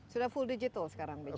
sudah full digital sekarang